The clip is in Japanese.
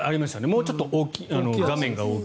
もうちょっと画面が大きい。